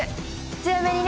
強めにね。